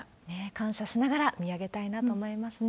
感謝しながら見上げたいなと思いますね。